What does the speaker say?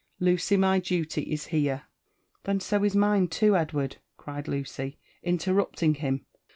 Lucy, my duty is here." "Then so is mine too, Edward!" cried Lucy, interrupting him.